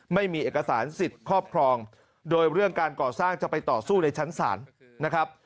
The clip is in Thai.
ไม่มีเอกสารสิทธิ์ครอบครองโดยเรื่องการก่อสร้างจะไปต่อสู้ในชั้นศาลนะครับ